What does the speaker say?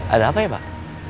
ada apa ya pak